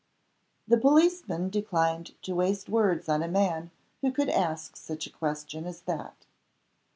The policeman declined to waste words on a man who could ask such a question as that.